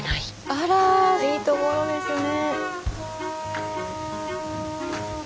あらいいところですね。